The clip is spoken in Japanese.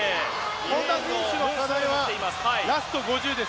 本多選手の課題はラスト５０です。